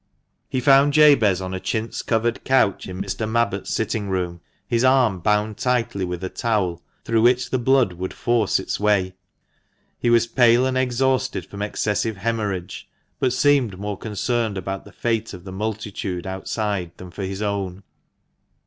He found Jabez on a chintz covered couch in Mr. Mabbott's sitting room, his arm bound tightly with a towel, through which the blood would force its way. He was pale and exhausted from excessive haemorrhage, but seemed more concerned about the fate of the multitude outside than for his own.